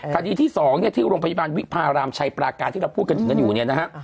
คดีที่๒เนี่ยที่โรงพยาบาลวิพารามชัยปราการที่เราพูดกันถึงกันอยู่เนี่ยนะฮะ